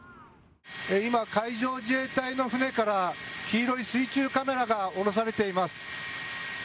今、海上自衛隊の船から黄色い水中カメラが下ろされています。